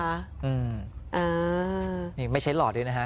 อืมอ่านี่ไม่ใช่หลอดด้วยนะฮะ